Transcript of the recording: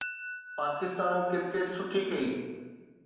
Pakistan cricket سٺي ڪئي